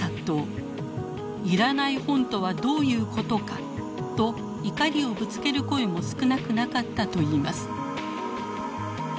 「いらない本とはどういうことか？」と怒りをぶつける声も少なくなかったといいます。